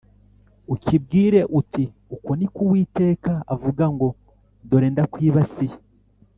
ukibwire uti ‘Uku ni ko Uwiteka avuga ngo: Dore ndakwibasiye